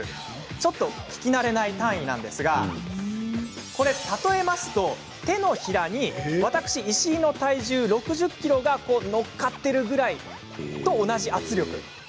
ちょっと聞き慣れない単位ですがこれ例えると、手のひらに私、石井の体重６０ｋｇが乗っかっているのと同じぐらいの圧力。